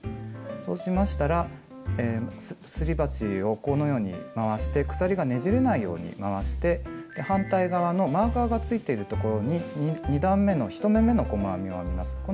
そうしましたらすり鉢をこのように回して鎖がねじれないように回して反対側のマーカーがついているところに２段めの１目めの細編みを編みます。